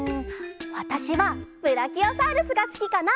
わたしはブラキオサウルスがすきかな！